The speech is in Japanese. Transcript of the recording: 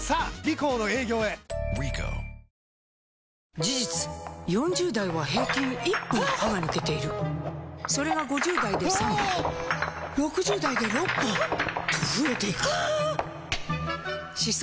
事実４０代は平均１本歯が抜けているそれが５０代で３本６０代で６本と増えていく歯槽